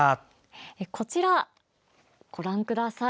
こちら、ご覧ください。